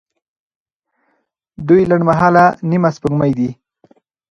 دوی لنډمهاله نیمه سپوږمۍ دي.